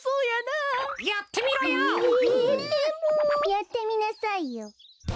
やってみなさいよ。